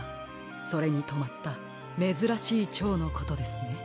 それにとまっためずらしいチョウのことですね。